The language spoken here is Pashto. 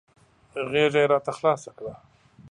غېږه یې راته خلاصه کړه .